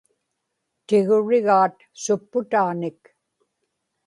tigurigaat supputaanik